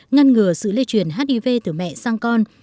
ngăn ngừa sự lây truyền hiv từ mẹ sang con